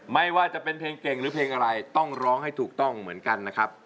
ไม่ว่าจะเป็นเพลงเก่งหรือเพลงอะไรต้องร้องให้ถูกต้องเหมือนกันนะครับ